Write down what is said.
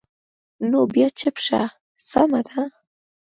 نو بیا چوپ شه، سمه ده.